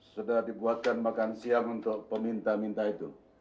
sudah dibuatkan makan siang untuk peminta minta itu